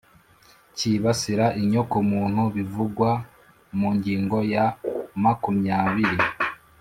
cyibasira inyokomuntu bivugwa mu ngingo ya makumyabiri